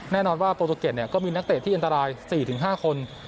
แน่นอนว่าโปรตูเกตก็มีนักเตะที่อันตราย๔๕คน